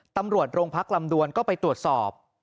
ตำรวจโรงพักลำดวนก็ไปตรวจสอบ